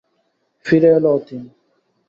ফিরে এল অতীন।